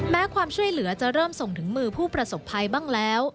ความช่วยเหลือจะเริ่มส่งถึงมือผู้ประสบภัยบ้างแล้ว